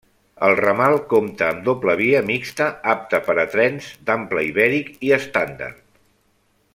El ramal compta amb doble via mixta apta per a trens d'ample ibèric i estàndard.